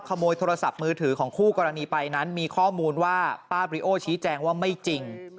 ขโมยโทรศัพท์มือถือของคู่กรณีไปนั้นมีข้อมูลว่าป้าบริโอชี้แจงว่าไม่จริง